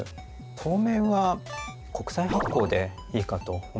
当面は国債発行でいいかと思っておりまして